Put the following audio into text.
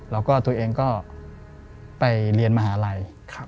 แล้วก็ตัวเองก็ไปเรียนมหาลัย